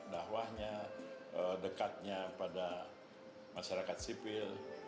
dahwahnya dekatnya pada masyarakat sipil